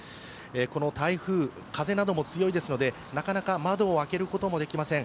この台風、風なども強いですのでなかなか窓を開けることもできません。